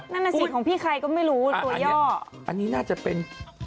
นั่นน่ะสิของพี่ใครก็ไม่รู้ตัวย่ออันนี้น่าจะเป็น